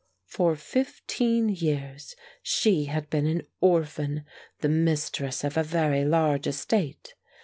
For fifteen years she had been an orphan, the mistress of a very large estate.